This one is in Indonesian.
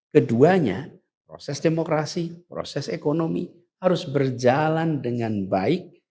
keduanya proses demokrasi proses ekonomi harus berjalan dengan baik